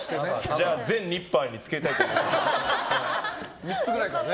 じゃあ全ニッパーにつけたいと思います。